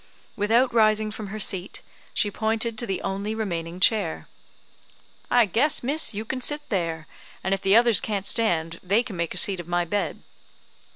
Without rising from her seat, she pointed to the only remaining chair. "I guess, miss, you can sit there; and if the others can't stand, they can make a seat of my bed."